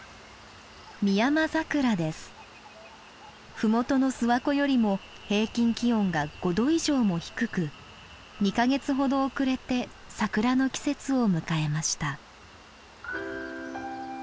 ふもとの諏訪湖よりも平均気温が５℃以上も低く２か月ほど遅れて桜の季節を迎えました。